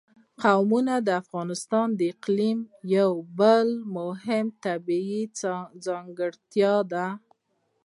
قومونه د افغانستان د اقلیم یوه بله مهمه طبیعي ځانګړتیا ده.